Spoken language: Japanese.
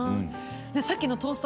さっきのトースト